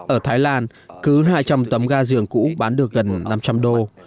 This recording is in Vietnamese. ở thái lan cứ hai trăm linh tấm gà dường cũ bán được gần năm trăm linh đô